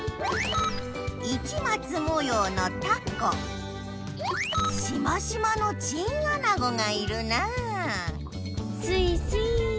いちまつもようのタコしましまのチンアナゴがいるなあすいすい。